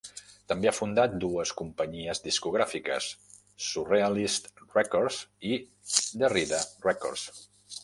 També ha fundat dues companyies discogràfiques, Surrealist Records i Derrida Records.